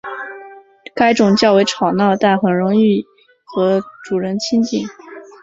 该种较为吵闹但很容易和主人亲近。